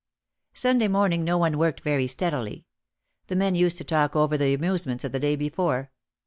Sunday morning no one worked very steadily. The men used to talk over the amusements of the day before.